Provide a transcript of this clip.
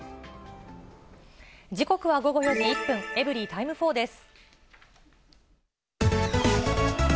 時刻は午後４時１分、エブリィタイム４です。